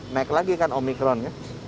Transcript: naik lagi kan omikronnya